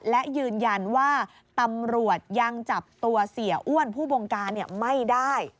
และยืนยันว่าตำรวจยังจับตัวเสียอ้วนผู้บงการไม่ได้